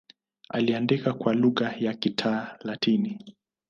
Aliandika kwa lugha ya Kilatini.